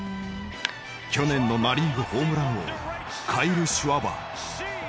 去年のナ・リーグホームラン王カイル・シュワバー。